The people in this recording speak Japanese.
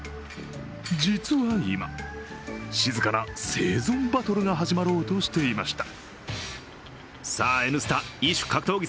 実は今、静かな生存バトルが始まろうとしていました。